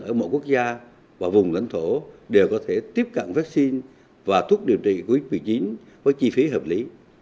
ở mọi quốc gia và vùng lãnh thổ đều có thể tiếp cận vaccine và thuốc điều trị covid một mươi chín với chi phí hợp lý